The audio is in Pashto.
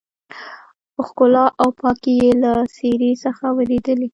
ښکلا او پاکي يې له څېرې څخه ورېدلې.